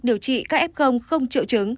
điều trị các f không triệu chứng